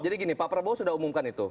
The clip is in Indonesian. jadi gini pak prabowo sudah umumkan itu